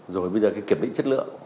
rồi bây giờ cái kiểm định chất lượng